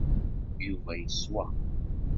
Yuba yeswa.